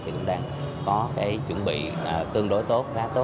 chúng tôi đang có cái chuẩn bị tương đối tốt